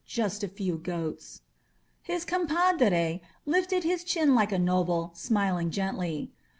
Just a few goats. ..." His compadre lifted his chin like a noble, smiling gently.